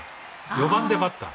４番でバッター